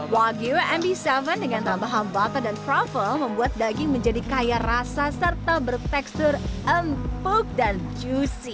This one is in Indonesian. wagyu mb tujuh dengan tambahan butter dan kroffle membuat daging menjadi kaya rasa serta bertekstur empuk dan juicy